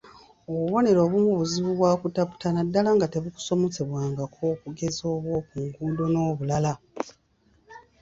Obubonero obumu buzibu bwa kutaputa naddala nga tebukusomesebwangako okugeza obw’oku nguudo n’obulala .